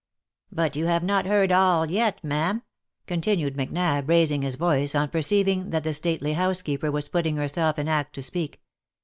But you have not heard all yet, ma'am," continued Macnab, raising his voice, on perceiving that the stately housekeeper was putting herself in act to speak.